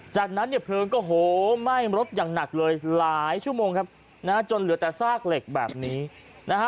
จากนั้นเนี่ยเพลิงก็โหไหม้รถอย่างหนักเลยหลายชั่วโมงครับนะฮะจนเหลือแต่ซากเหล็กแบบนี้นะฮะ